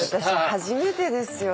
私初めてですよ